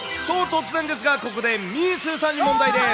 と、突然ですがここで、みーすーさんに問題です。